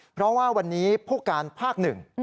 เพราะว่าวันนี้ผู้การภาค๑